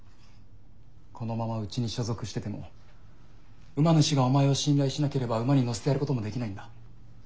このままうちに所属してても馬主がお前を信頼しなければ馬に乗せてやることもできないんだ。